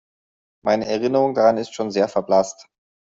Meine Erinnerung daran ist schon sehr verblasst.